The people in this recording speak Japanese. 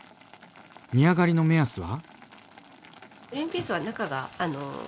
煮上がりの目安は？